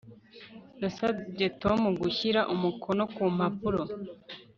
Nasabye Tom gushyira umukono ku mpapuro